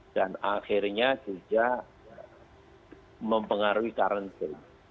dan akhirnya juga mempengaruhi currency